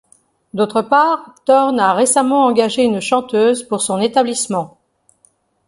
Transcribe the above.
D'autre part, Thorne a récemment engagé une chanteuse pour son établissement.